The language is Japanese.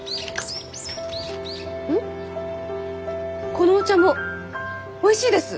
このお茶もおいしいです！